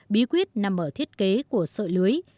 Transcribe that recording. bí quyết nằm ở thiết kế của sợi lưới